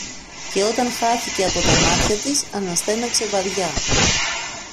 Και όταν χάθηκε από τα μάτια της, αναστέναξε βαριά